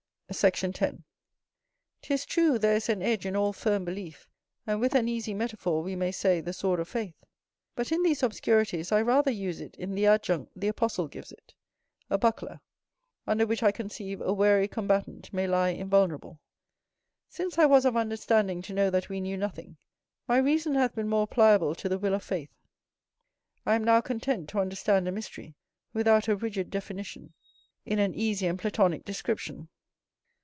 Sect. 10. 'Tis true, there is an edge in all firm belief, and with an easy metaphor we may say, the sword of faith; but in these obscurities I rather use it in the adjunct the apostle gives it, a buckler; under which I conceive a wary combatant may lie invulnerable. Since I was of understanding to know that we knew nothing, my reason hath been more pliable to the will of faith: I am now content to understand a mystery, without a rigid definition, in an easy and Platonic description.